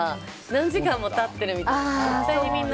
何時間も経ってるみたいな。